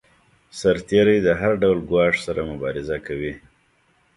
سرتیری د هر ډول ګواښ سره مبارزه کوي.